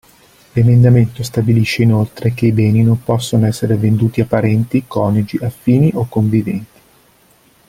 L'emendamento stabilisce inoltre che i beni non possono essere venduti a parenti, coniugi, affini o conviventi.